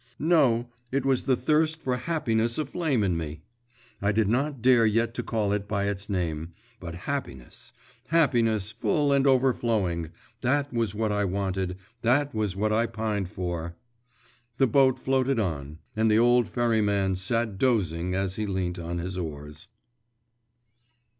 … No! it was the thirst for happiness aflame in me. I did not dare yet to call it by its name but happiness, happiness full and overflowing that was what I wanted, that was what I pined for.… The boat floated on, and the old ferryman sat dozing as he leant on his oars.